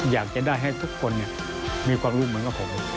อยากจะได้ให้ทุกคนมีความรู้เหมือนกับผม